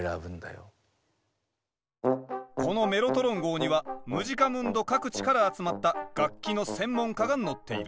このメロトロン号にはムジカムンド各地から集まった楽器の専門家が乗っている。